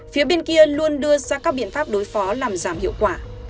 phía bên kia luôn đưa ra các biện pháp đối phó làm giảm hiệu quả